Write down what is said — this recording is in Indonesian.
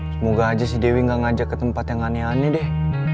semoga aja sih dewi gak ngajak ke tempat yang aneh aneh deh